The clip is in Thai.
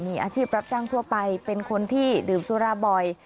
มีอาชีพรับจ้างทั่วไปเป็นคนที่ดื่มสุราบ่อย